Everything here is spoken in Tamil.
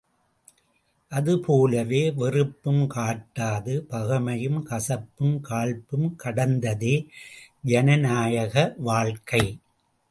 அதுபோலவே வெறுப்பும் காட்டாது பகைமையும், கசப்பும் காழ்ப்பும் கடந்ததே ஜனநாயக வாழ்க்கை.